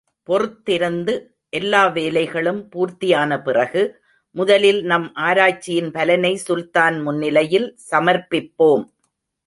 பொறுத்திருந்து, எல்லா வேலைகளும் பூர்த்தியான பிறகு, முதலில் நம் ஆராய்ச்சியின் பலனை சுல்தான் முன்னிலையில் சமர்ப்பிப்போம்.